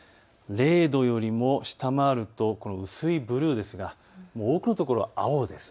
０度よりも下回ると、薄いブルーですが多くのところ青です。